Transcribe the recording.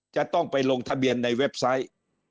จะต้องไปลงทะเบียนในเว็บไซต์